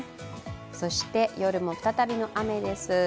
そして、夜も再びの雨です。